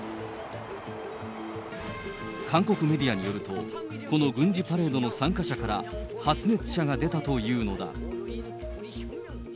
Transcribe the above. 韓国メディアによると、この軍事パレードの参加者から発熱者が出たというのだ。